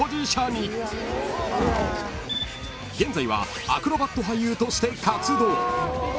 ［現在はアクロバット俳優として活動］